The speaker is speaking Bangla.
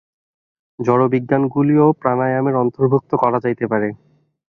জড়বিজ্ঞানগুলিও প্রাণায়ামের অন্তর্ভুক্ত করা যাইতে পারে।